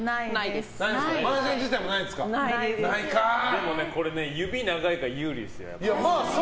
でもね、これ指長いから有利ですよ。